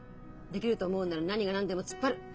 できると思うんなら何が何でも突っ張る。